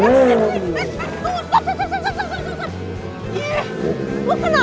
tuh tuh tuh tuh tuh